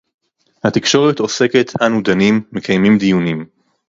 התקשורת עוסקת, אנו דנים, מקיימים דיונים